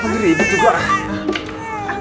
lagi ribet juga